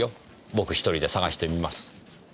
僕一人で捜してみます。